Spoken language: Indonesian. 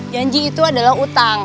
janji itu adalah utang